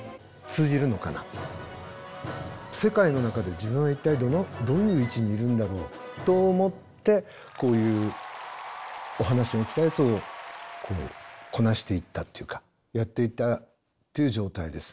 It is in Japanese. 世界の中で自分は一体どういう位置にいるんだろうと思ってこういうお話が来たやつをこなしていったというかやっていったという状態ですね。